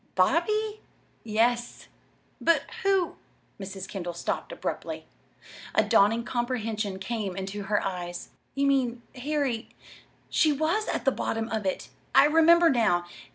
"Bobby?" "Yes." "But who " Mrs. Kendall stopped abruptly. A dawning comprehension came into her eyes. "You mean Harry, she was at the bottom of it! I remember now.